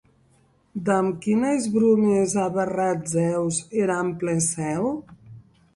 Damb quines bromes a barrat Zèus er ample cèu!